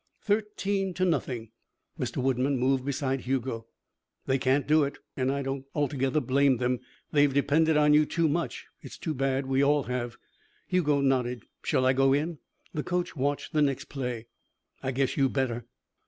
Thirteen to nothing. Mr. Woodman moved beside Hugo. "They can't do it and I don't altogether blame them. They've depended on you too much. It's too bad. We all have." Hugo nodded. "Shall I go in?" The coach watched the next play. "I guess you better."